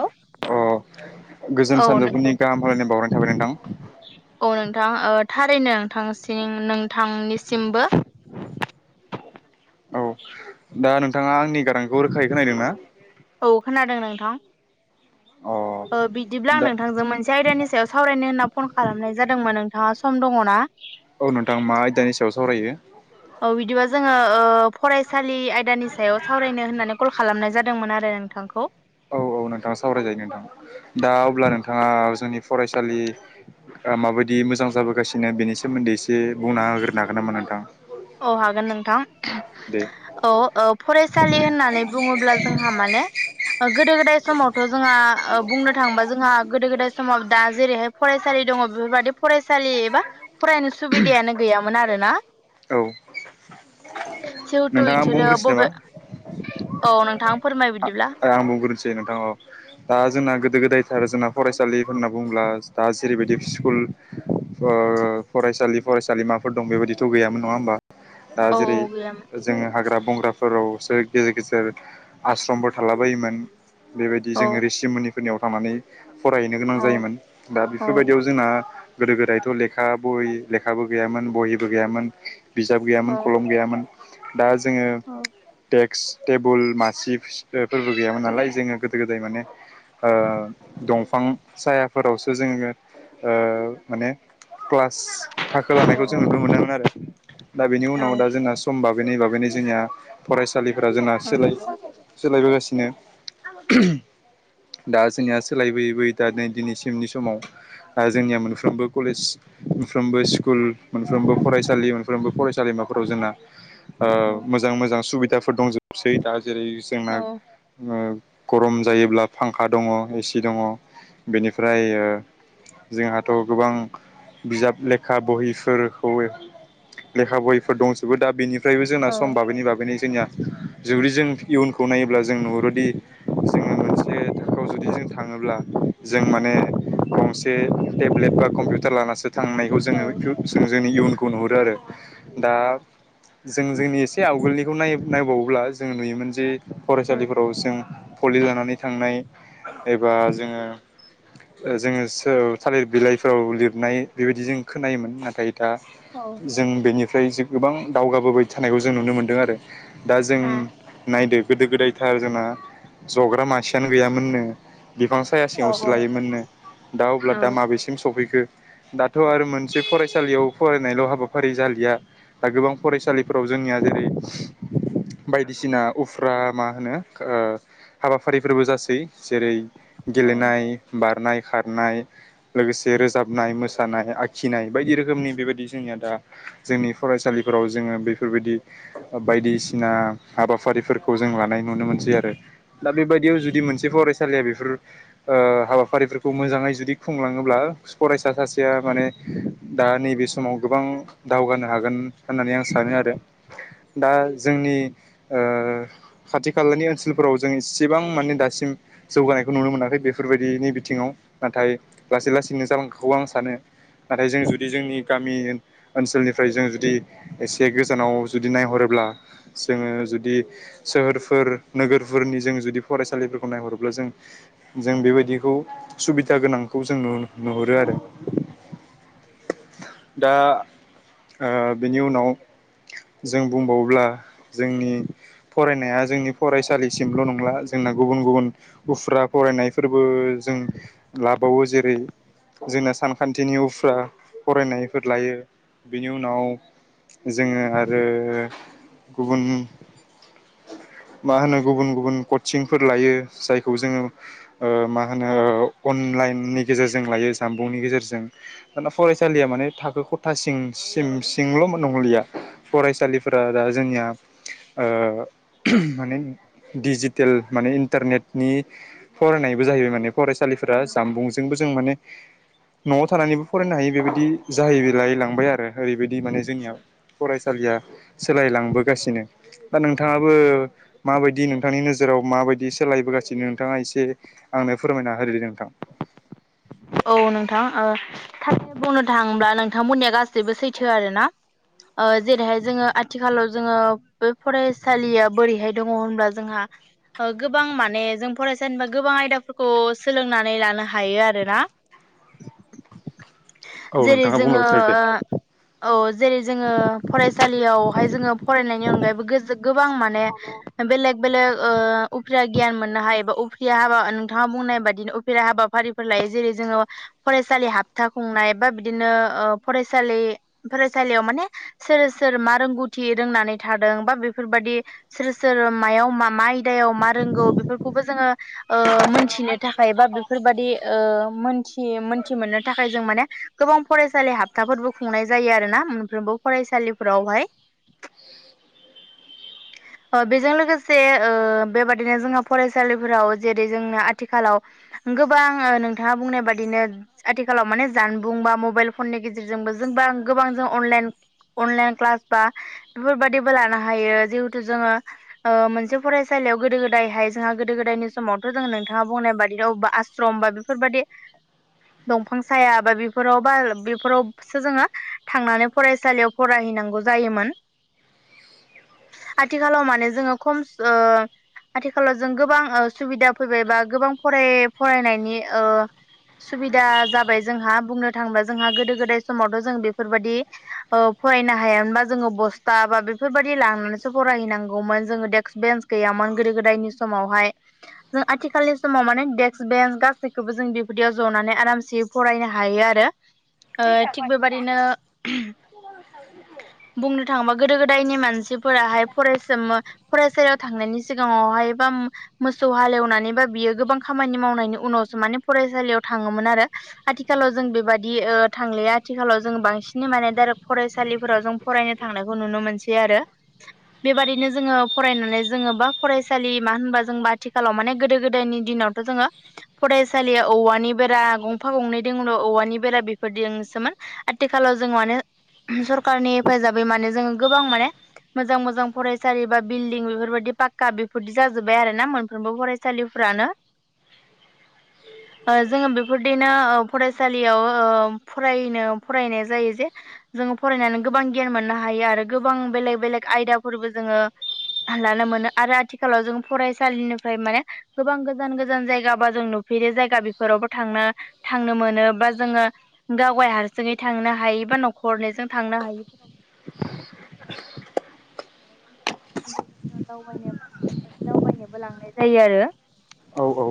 औ अ गोजोन सानजौफोरनि गाहाम हामलायनाय बावहरनाय थाबाय नोंथां। औ नोंथां थारैनो नोंथांसिम नोंथांनिसिमबो। [inaudible] औ दा नोंथाङा आंनि गारांखौ रोखायै खोनदोंना। औ खोनादों नोंथां। औ। बिदिब्ला आं नोंथांजों मोनसे आयदानि सायाव सावरायनो होन्ना फन खालामनाय जादोंमोन नोंथाङा। सम दङना। औ नोंथां मा आयदानि सायाव सावरायो औ बिदिबा जोङो फरायसालि आयदानि सायाव सावरायनो होननानै कल खालामनाय जादों। जादोंमोन आरो नोंथांखौ। औ औ नोंथाङा सावराय जायो नोंथां दा अब्ला नोंथाङा जोंनि फरायसालि माबायदि मोजां जाबोगासिनो बेनि सोमोन्दै एसे बुंना होग्रोनो हागोन नामा नोंथां। औ हागोन नोंथां दे औ औ फरायसालि होननानै बुङोब्ला जोंहा माने। [inaudible] गोदो गोदाय समावथ' जोंहा बुंनो थाङोबा जोंहा गोदो गोदाय समाव दा जेरैहाय फरायसालि दङ। बेफोर बायदि फरायसालिबा फरायनो सुबिदायानो गैयामोन आरोना। औ। जिहेथु नोंथाङा बिसोरो बुंग्रोसै नामा। बबे औ नोंथां फोरमाय बि आं बुंग्रोनोसै नोंथां दा जोंना गोदो गोदायथार जोंना फरायसालिफोरना बुंङोब्ला दा जेरैबायदि स्कुल फरायसालि फरायसालिमाफोर दं बेबायदिथ' गैयामोन नङा होमबा। दा औ जेरै गैयामोन जोङो हाग्रा बंग्राफोरावसो गेजेर गेजेर आश्रमफोर थालाबायायोमोन बेबायदि औ जोङो रिसिमनिफोरनियाव थांनानै फरायहैनो गोनां औ जायोमोन दा औ बेफोर बायदियाव जोंना। गोदो गोदायथ' लेखा ब लेखाबो गैयामोन बहिबो गैयामोन बिजाब गैयामोन औ खलम गैयामोन दा जोङो औ देक्स टेबोल मासे फोरबो गैयामोन नालाय जोङो गोदो गोदाय माने दंफां सायाफोरावसो जों जङो माने क्लास थाखो लानायखौ जों नुनो मोनोन आरो दा बेनि औ उनाव दा जोंना समबाब बेनि बाबैनो जोंनिया फरायसालिफोरा जोंना औ सोलाय नंगौ सोलायबोगासिनो दा जोंनिया सोलायबोयै बयै दा नै दिनैसिमनि समाव द जोंनिया मोनफ्रोमबो कलेज मोनफ्रोमबो स्कुल मोनफ्रोमबो फरायसालि मोनफ्रोमबो फरायसालिमाफोराव जोंना औ मोजां मोजां सुबिदाफोर दंजोबसै दा जेरै जोंना औ गरम जायोब्ला फांखा दङ एसि दङ बेनिफ्राय जोंहाथ' गोबां बिजाब लेखा बहिफोरखौ लेखा बयफोर दंजोबो दा बेनिफ्रायबो जोंना औ आ सम बाबैनि बाबैनि जोंनिया जुबि जों इयुनखौ नायोब्ला जों नुहुरोदि जोङो मोनसे थाखोआव जुदि जों थाङोब्ला जों माने [inaudible] गंसे टेब्लेट बा कम्पिउटार लानासो थांनायखौ औ जोङो जों जोंनि इयुनखौ नुहरो आरो दा जों जोंनि एसे आवगोलनिखौनाय नायबावोब्ला जों नुयोमोन जे फरायसालिफोराव जों कलि जानानै थांनाय एबा जोङो जोङो सो थालिर बिलाइफोराव लिरनाय बेबायदि जों खोनायोमोन नाथाय दा जों बेनिफ्राय गोबां दावगाबोबाय थानायखौ जों नुनो मोनदों आरो दा जों नायदो गोदो गोदायथार जोंना जग्रा मासेयानो गैयामोननो बिफां साया सिङावसो लायोमोननो दा अब्ला दा माबेसिम सफैखो दाथ' आरो मोनसे फरायसालियाव फरायनायल' हाबाफारि जालिया दा गोबां फरायसालिफोराव जोंनिया जेरै बायदिसिना उफ्रा मा होनो ओ हाबाफारिफोरबो जासै जेरै औ गेलेनाय बारनाय खारनाय लोगोसे रोजाबनाय मोसानाय आखिनाय बायदि रोखोमनि बेबायदि जोंनिया दा जोंनि फरायसालिफोराव जोङो बेफोरबायदि बायदिसिना हाबा हाफारिफोरखौ जों लानाय नुनो मोनसै आरो दा बेबायदियाव जुदि मोनसे फरायसालिया बेफोर हाबाफारिफोरखौ मोजाङै जुदि खुंलाङोब्ला फरायसा सासेया माने दा नैबे समाव गोबां दावगानो हागोन होननानै आं सानो आरो दा जोंनि ओ [inaudible] खाथि खालानि ओनसोलफोराव जों इसेबां माने दासिम जौगानायखौ नुनो मोनाखै बेफोरबायदिनि बिथिङाव नाथाय लासै लासैनो जालांखौ आं सानो नाथाय जों जुदि जोंनि गामि ओनसोलनिफ्राय जों जुदि एसे गोजानाव जुदि नायहरो ब्ला जोङो जुद दि सोहोरफोर नोगोरफोरनि जों जुदि फरायसालिफोरखौ नायहरोब्ला जों जों बेबायदि बिदिखौ सुबिदा गोनांखौ जों नुहुरो आरो औ दा बेनि उनाव जों बुंबावोब्ला जोंनि फरायनाया जोंनि फरायसालिसिमल' नंला जोंना गुबुन गुबुन उफुर्रा फरायनायफोरबो जों लाबावो जेरै जोंना सानखान्थिनि उफ्रा फरायनायफोर लायो बेनि उनाव जोङो आरो गुबुन [inaudible] मा होनो गुबुन गुबुन कचिंफोर लायो जायखौ जोङो ओ मा होनो अनलाइननि गेजेरजों लायो जानबुंनि गेजेरजों दाना फरायसालिया माने थाखो खथासिम सिम सिंल' नंलिया फरायसालिफोरा दा जोंनिया ओ माने डिजिटेल माने इन्टारनेटनि फरायनायबो जाहैबाय माने फरायसालिफोरा औ जामबुंजोंबो जों माने न'आव थानानैबो फरायनो हायो बेबायदि जाहैलायै लांबाय आरो ओरैबायदि बि माने जोंनियाव फरायसालिया सोलायलांबोगासिनो दा नोंथाङाबो माबायदि नोंथांनि नोजोराव माबायदि सोलायबोगासिनो नोंथाङा एसे आंनो फोरमायना हो दे नोंथां [inaudible] औ नोंथां ओ थारैनो बुंनो थाङोब्ला नोंथांमोननिया गासैबो सैथो आरो ना ओ जेरैहाय जोङो आथिखालाव जोङो बे फरायसालिया बोरैहाय दङ होनब्ला जोंहा गोबां माने जों फरायसालिनिफ्राय गोबां आयदाफोरखौ सोलोंनानै लानो हायो आरोना औ जेरै नोंथाङा जोङो बुंलांबाय थादो दे ओ औ जेरै जोङो फरायसालियावहाय जोङो फरायनायनि अनगायैबो गोबां माने बेलग बेल उफ्रि गिय मोननो हायो एा उफ्रिया हाबा नोंथाङा बुंनाय बाददिनो उफ्रिया हाबाफारिफोर लायो जेरै- जोङो फरायसालि हाबथा बुंनाय बा बिदिनो फरायसालि फरायसालियाव माने- सोर सोर मा रोंगौथि रोंनानै थादों बा बेफोरबादि सोर सोर मायाव मा मा आयदायाव मा रोंगौ बेफोरखौबो जोङो मोनथिनो थाखाय बा बेफोरबादि मोनथि मोनथि मोननो थाखाय जों माने गोबां फरायसालि हाबथाफोरबो खुंनाय जायो आरोना मोनफ्रोमबो फरायसालिफोरावहाय [inaudible] बेजों लोगोसे बेबादिनो जोंहा फरायसालिफोराव जेरै जोंनो आथिखालाव गोबां नथाङा बुंनाय बादिनो आथिखालाव माने जानबुं बा मबाइल फननि गेजेरजोंबो जोंबा गोबां जों अनलाइन अनलाइन क्लास बा बेफोरबाददिबो लानो हायो जिहेथु जोङो मोनसे फरायसालि गोदो गोदायहाय जोंहा गोदो गोदायनि समावथ' जोङो नोंथाङा बुंनाय बादि बबा आश्रम बा बेफोरबायाददि दंफां साया बा बेफोराव बा बेफोरावसो जोङो थांनानै फरायसालियाव फरायहैयो नांगोव जायोमोन आथिखालाव माने जोङो खम आथिखालाव जों गोबां सुबिदा फैबाय बा गोबां फराय फरायनायनि सुबिदा जाबाय जोंहा बुंनो थाङोबा जोंहा गोदो गोदाय समावथ' जों बेफोरबायदि- फरायनो हायामोनबा जोङो बस्था बा बेफोरबायदि लांनानैसो फरायहैनांगौमोन जोङो डेक्क बेन्स गैयामोन। गोदो गोदायनि समावहाय जों आथिखालनि समाव माने डेक्क बेन्स गासै गासैखौबो जों बेबायदियाव जनानै आरामसे फरायनो हायो आरो थिग बेबादिनो- [inaudible] बुंनो थाङोबा गोदो गोदायनि मानसिफोराहाय फरायसोमो फरायसालियाव थांनायनि सिगाङावहाय बा मोसौ हालेवनानै बा बियो गोबां खामानि मावनायनि उनाव माने फरायसालियाव थाङोमोन आरो आथिखालाव जों बेबाददि थांलाया आथिखालाव जोङो बांसिन माने दे फरायसालिफोराव जों फरायनो थांनायखौ नुनो मोनसै आरो बेबाददिनो जोङो फरायनानै जोङो बा फरायसालि मा होनबा जोंबा आथिखालाव माने गोदो गोदायनि नि दिनावथ' जोङो फरायसालिया औवानि बेरा गंफा गंनै दल' औवानि बेरा बेफोरजोंसोमोन आथिखालाव जों माने सरखारनि हेफाजाबै माने जोङो गोबां माने मोजां मोजां फरायसालि बा बिल्डिं बेफोरबायदि पाक्का बेफोरदि जाजोब्बाय आरोना मोनफ्रोमबो फरायसालिफ्रानो जोङो बेफोरदिनो फरायसालियाव फरायनो फरायनाय जायो जे जोङो फरायनानै गोबां गियान मोननो हायो। आरो गोबां बेले बेलेग आयदाफोरबो जोङो लानो मोनो आरो आथिखालाव जों फरायसालिनिफ्राय माने गोबां गोजान गोजान जायग बा जों नु बेदि जायगा बेफोरावबो थांनो थांनो मोनो बा जोङो गावाय हारसिङै थांनो हायो। एब नावखरनिजों थांनो हायो। गोजान - गोजान जायगाफोराव दावबायनोबा बेफोरबायादि दावबायनोबो लांनाय जायो आरो- औ-औ।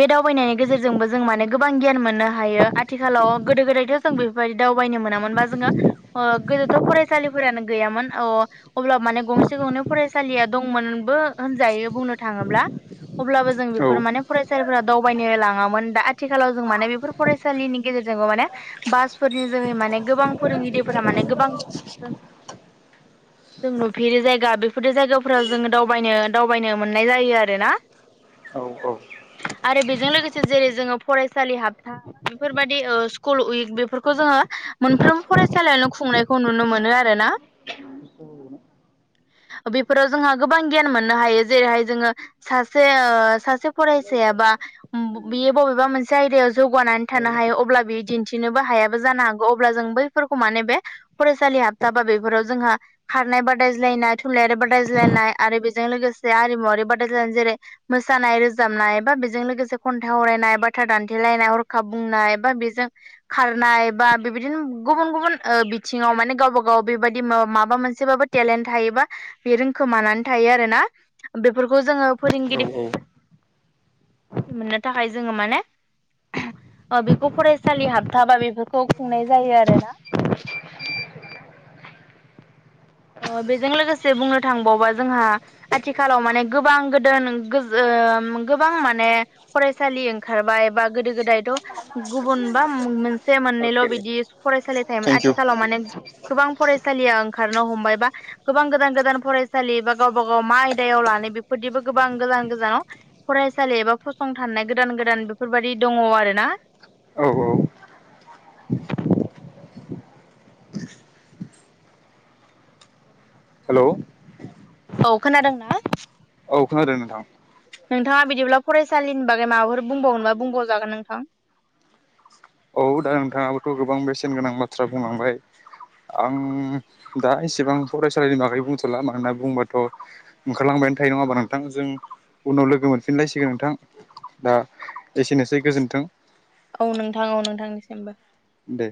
बे दावबायनायनि गेजेरजोंबो जों माने गोबां गियान मोननो हायो आथिखालाव गोदो - गोदायथ' जों बेफोरबायदि दा दावनो मोनामोन बा जोंङो गोदोथ' फसालिफोरानो गैयामोन गंसे गंनै फरायसालिया दंमोनबो होनजायो बुंनो थाङोब्ला। अब्लाबो जों औ बेफोर माने फरायसालिफोरा दावबायनो लाङामोन दा आथिखालाव जों माने बेफोर फरायसालिनि गेजेराव माने बासफोरनि जोहै माने गोबां फोरोंगिरिफोरा माने गोबां गोजान - गोजान जायो। जोंनो भि जायगा बेफोरदि जायगाफोराव जोङो दावबायनो -दावबायनो मोननाय जायो आरोना। औ- औ। आरो बेजों लोगोसे जेरै जोङो फरायसालि हाबथा बेफोरबायाददि ओ स्कुल उइक बेफोरखौ जोङो मोनफ्रोम फरायसालियावनो खुंनायखौ नुनो मोनो। आरो ना बेफोराव जोंहा गोबां गियान मोननो हायो जेरैहाय जोङो सासे ओ सासे फरायसायाबा [unintelligible] बियो बबेबा मोनसे आयदायाव जौगानानै थानो हायो अब्ला बियो दिन्थिनोबो हायाबो जानो हागौ अब्ला जों बैफोर माने बे फरायसालि हाबथाबा बेफोराव जोंहा खारनाय बादायज्लायनाय थुनलाइयारि बादायज्लायनाय आरो बेजों लोगोसे आरिमुवारि बादाय्लायनाय जेरै मोसानाय - रोजाबनाय बा बेजों लोगोसे खन्थाइ आरायनाय, बाथ्रा दान्थेलायनाय, हरखाब बुंनाय बबा बेजों खारनाय बा बेबायदिनो गुबुन - गुबुन बिथिङाव ओ माने गावबा - गाव बेबायदि माबा मोनसे एसेबाबो टेलेन्ट थायोबा बे रोंखोमानानै थायो। आरो ना? बेफोरखौ जोङो औ फोरोंगिरि औ मोननो थाखाय जोङो माने बेखौ फरायसालि हाबथाबा बेफोरखौ खुंनाय जायो आरोना [unintelligible] बेजों लोगोसे बुंनो थांबावबा जोंहा आथिखालाव माने गोबां गोदोन ओ गोबां माने फरायसालि ओंखारबाय बा गोदो गोदायथ' गुबुन बा मोनसे से मोननैल' बिदि फरायसालि थायोमोन थेंकिउ आथिखालाव माने गोबां फरायसालिया ओंखार हमबाय बा गोबां गोदान - गोदान फरायसालि बा गावबा - गाव मा आयदायाव लानाय बेफोरदिबो गोबां गोजान गोान गोजानाव फरायसालि एबा फसंथाननाय गोदान गोदान बेफोरबायाददि दङ आर ना औ - औ। बुंफिननो सानबावदोंबा बुंजागोन हेलौ नोंथां। औ खोनादोंना? औ खोनादों नोंथां। नोंथाङा बिदिब्ला फरायसालिनि बागै माबाफोर बुंबावनोबा बुंबावजागोन नोंथां। औ दा नोंथाङाबोथ' गोबां बेसेन गोनां बाथ्रा बुंलांबाय। आं दा एसेबां फरायसालिनि बागै बुंथ'ला मानोना बुंबाथ' ओंखारलां थायो नङााबा नोंथां जों उनाव लोगो मोनफिनलायसिगोन नोंथां। दा एसेनोसै गोजोन्थों। औ नोंथां औ नोंथांनिसिमबो। दे।